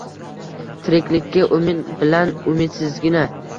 Tiriklikka umid bilan umidsizgina.